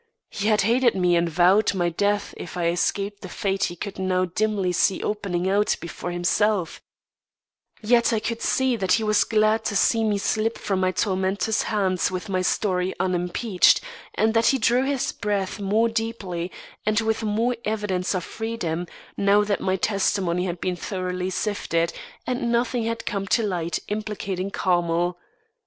He had hated me and vowed my death if I escaped the fate he could now dimly see opening out before himself; yet I could see that he was glad to see me slip from my tormentor's hands with my story unimpeached, and that he drew his breath more deeply and with much more evidence of freedom, now that my testimony had been thoroughly sifted and nothing had come to light implicating Carmel.